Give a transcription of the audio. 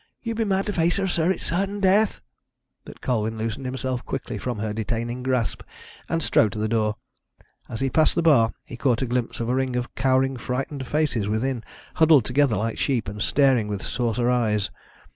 You be mad to face her, sir it's certain death." But Colwyn loosened himself quickly from her detaining grasp, and strode to the door. As he passed the bar he caught a glimpse of a ring of cowering frightened faces within, huddled together like sheep, and staring with saucer eyes.